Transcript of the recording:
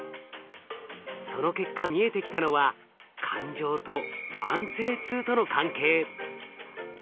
その結果見えてきたのは感情と慢性痛との関係。